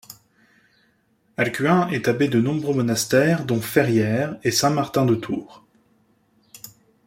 Alcuin est abbé de nombreux monastères dont Ferrières et Saint-Martin de Tours.